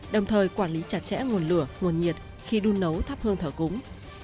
đồng thời quản lý chặt chẽ nguồn lửa nguồn nhiệt khi đun nấu thắp hương thờ cúng